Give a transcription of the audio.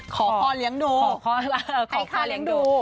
ขอค่าเลี้ยงดู